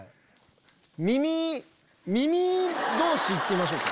耳耳同士いってみましょうか。